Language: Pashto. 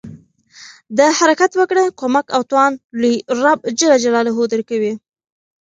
د حرکت وکړه، کومک او توان لوی رب ج درکوي.